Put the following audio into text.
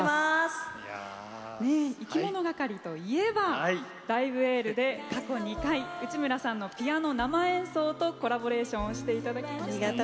いきものがかりといえば「ライブ・エール」で過去２回内村さんのピアノ生演奏とコラボレーションをしていただきましたね。